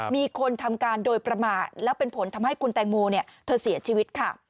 มีคนทำการโดยประมาทแล้วเป็นผลทำให้คุณแตงโมเธอเสียชีวิตค่ะ